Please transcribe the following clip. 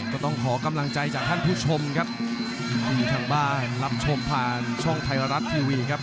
ต้องขอกำลังใจจากท่านผู้ชมครับที่ทางบ้านรับชมผ่านช่องไทยรัฐทีวีครับ